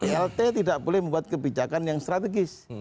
plt tidak boleh membuat kebijakan yang strategis